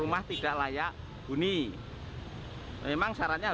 nanti tidurnya di kerjaannya